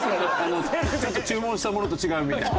ちょっと注文したものと違うみたい。